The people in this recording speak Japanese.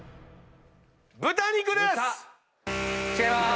豚肉です！